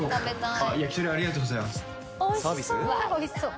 おいしそう！